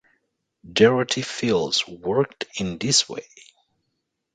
Dorothy Fields worked in this way.